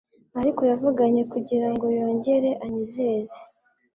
Ariko yavuganye kugirango yongere anyizeze